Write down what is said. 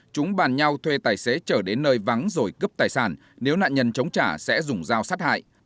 chúng bàn nhau thuê tài xế trở đến nơi vắng rồi cướp tài sản nếu nạn nhân chống trả sẽ dùng dao sát hại